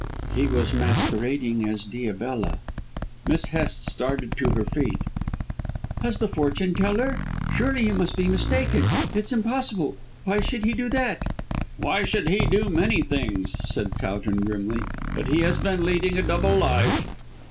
"He was masquerading as Diabella." Miss Hest started to her feet. "As the fortune teller? Surely you must be mistaken? It's impossible! Why should he do that?" "Why should he do many things," said Towton grimly. "But he has been leading a double life."